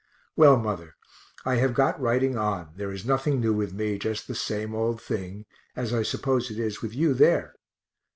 Well, mother, I have got writing on there is nothing new with me, just the same old thing, as I suppose it is with you there.